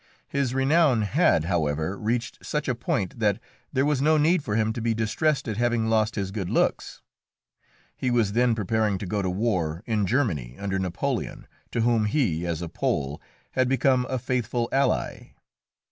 His renown had, however, reached such a point that there was no need for him to be distressed at having lost his good looks. He was then preparing to go to war in Germany under Napoleon, to whom he, as a Pole, had become a faithful ally.